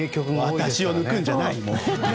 私を抜くんじゃない！